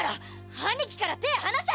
兄貴から手ェ放せ！